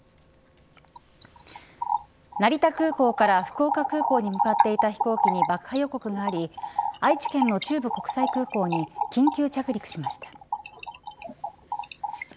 成田空港から福岡空港に向かっていた飛行機に爆破予告があり愛知県の中部国際空港に緊急着陸しました。